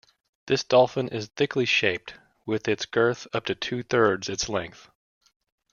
This dolphin is thickly shaped with its girth up to two-thirds its length.